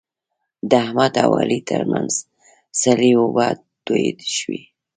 د احمد او علي ترمنځ سړې اوبه تویې شوې.